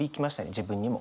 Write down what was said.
自分にも。